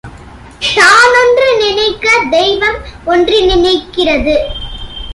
தானொன்று நினைக்க தெய்வம் ஒன்று நினைககிறது